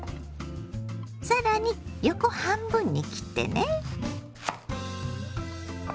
更に横半分に切ってね。